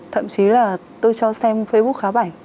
thậm chí là tôi cho xem facebook khá bảnh